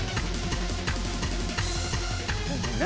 何？